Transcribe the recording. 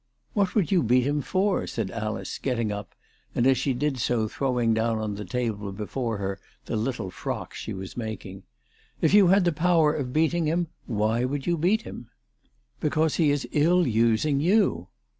." What would you beat him for ?" said Alice, getting up, and as she did so throwing down on the table before her the little frock she was making. " If you had the power of beating him, why would you beat him ?"" Because he is ill using you."